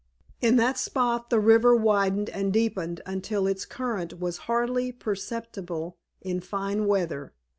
In that spot the river widened and deepened until its current was hardly perceptible in fine weather.